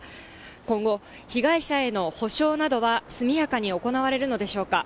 今後、被害者への補償などは速やかに行われるのでしょうか。